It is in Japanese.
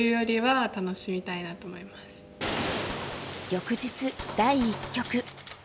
翌日第一局。